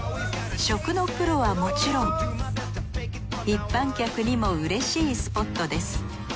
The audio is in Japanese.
食のプロはもちろん一般客にもうれしいスポットです。